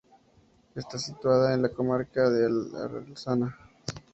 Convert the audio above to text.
Está situada en la comarca de Arlanza.